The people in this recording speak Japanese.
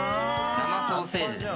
生ソーセージです。